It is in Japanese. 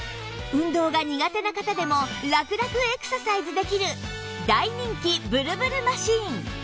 運動が苦手な方でもラクラクエクササイズできる大人気ブルブルマシン！